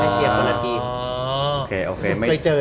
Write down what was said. กล้ามหว่างรถที